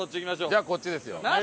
じゃあこっちですよ。